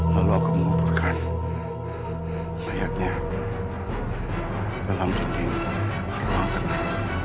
lalu kemumpulan layaknya dalam jembing ruang tengah